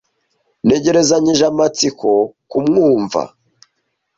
Ntegerezanyije amatsiko kumwumva.